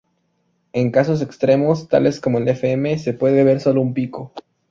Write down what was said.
En casos extremos tales como el Fm, se puede ver sólo un pico.